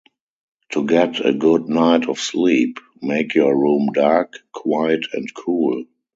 To get a good night of sleep, make your room dark, quiet, and cool.